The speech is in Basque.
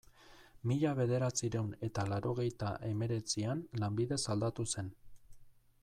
Mila bederatziehun eta laurogeita hemeretzian, lanbidez aldatu zen.